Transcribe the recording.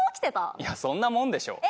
いやそんなもんでしょ。